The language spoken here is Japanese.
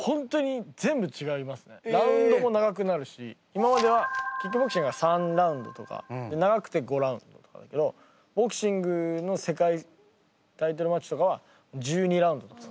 今まではキックボクシングは３ラウンドとか長くて５ラウンドとかだけどボクシングの世界タイトルマッチとかは１２ラウンドとか。